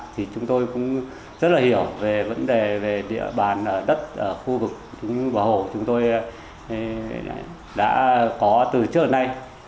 thì chúng tôi cũng rất là hiểu về vấn đề về địa bàn đất ở khu vực và hồ chúng tôi đã có từ trước đến nay